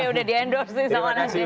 oke sudah di endorse